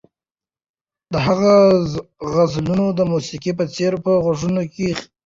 د هغه غزلونه د موسیقۍ په څېر په غوږونو کې غږېږي.